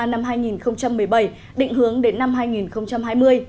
năm hai nghìn một mươi bảy định hướng đến năm hai nghìn hai mươi